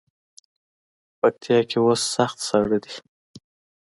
پکتیا کې اوس سخت ساړه دی.